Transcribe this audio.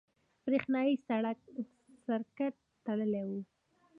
برېښنایي سرکټ تړلی وي.